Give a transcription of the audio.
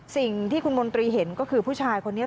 สิ่งที่คุณมนตรีเห็นก็คือผู้ชายคนนี้